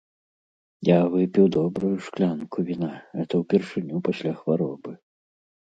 Я выпіў добрую шклянку віна, гэта ўпершыню пасля хваробы.